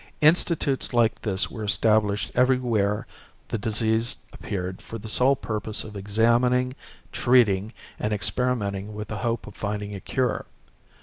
Institutes like this were established everywhere the disease appeared for the sole purpose of examining, treating, and experimenting with the hope of finding a cure.